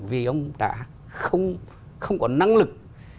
vì ông đã không có năng lực